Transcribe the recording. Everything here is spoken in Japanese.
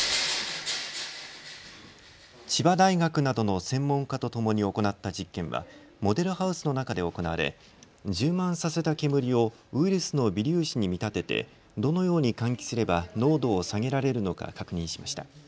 千葉大学などの専門家とともに行った実験はモデルハウスの中で行われ、充満させた煙をウイルスの微粒子に見立ててどのように換気すれば濃度を下げられるのか確認しました。